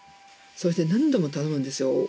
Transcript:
それで何度も頼むんですよ